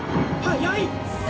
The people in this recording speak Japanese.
速い！